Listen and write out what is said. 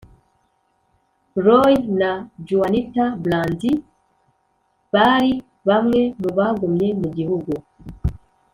Roy na Juanita Brandt bari bamwe mu bagumye mu gihugu